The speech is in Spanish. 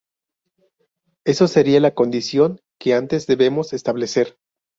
Eso sería la condición que antes debemos establecer.